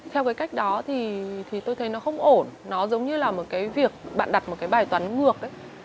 theo cái cách đó thì tôi thấy nó không ổn nó giống như là một cái việc bạn đặt một cái bài toán ngược